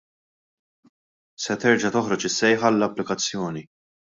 Se terġa' toħroġ is-sejħa għall-applikazzjoni.